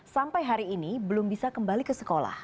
sampai hari ini belum bisa kembali ke sekolah